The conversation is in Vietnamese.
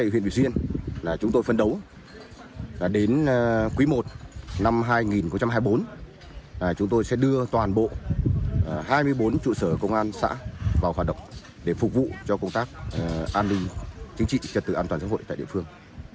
huyện việt xuyên chúng tôi phân đấu đến quý i năm hai nghìn hai mươi bốn chúng tôi sẽ đưa toàn bộ hai mươi bốn trụ sở công an xã vào hoạt động để phục vụ cho công tác an ninh chính trị trật tự an toàn xã hội tại địa phương